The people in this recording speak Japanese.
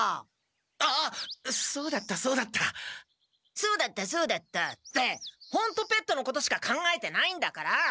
「そうだったそうだった」ってほんとペットのことしか考えてないんだから。